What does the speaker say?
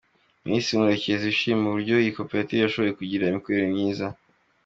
Minisitiri Murekezi ashima uburyo iyi Koperative yashoboye kugira imikorere myiza mu.